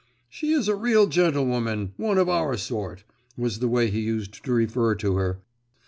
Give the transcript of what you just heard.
'She is a real gentlewoman, one of our sort,' was the way he used to refer to her.